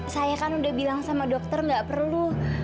saya kan udah bilang sama dokter gak perlu